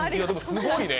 すごいね。